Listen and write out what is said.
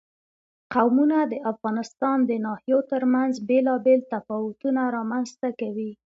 قومونه د افغانستان د ناحیو ترمنځ بېلابېل تفاوتونه رامنځ ته کوي.